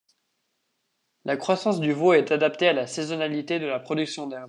La croissance du veau est adaptée à la saisonnalité de la production d’herbes.